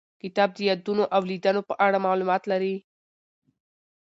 کتاب د یادونو او لیدنو په اړه معلومات لري.